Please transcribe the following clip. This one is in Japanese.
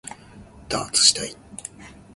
ダーツしたい